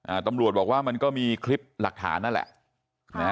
ตำรวจบอกว่ามันก็มีคลิปหลักฐานนั่นแหละนะฮะ